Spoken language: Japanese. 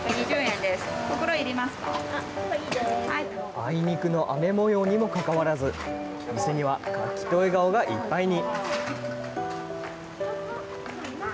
あいにくの雨もようにもかかわらず、店には活気と笑顔がいっぱいに。